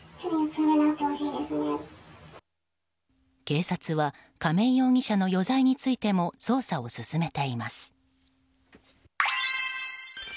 警察は亀井容疑者の余罪についても捜査を進めています。